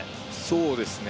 そうですね